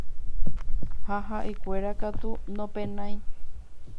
ha ha'ekuéra katu nopenái